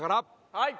はい。